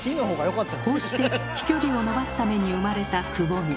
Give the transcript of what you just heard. こうして飛距離を伸ばすために生まれたくぼみ。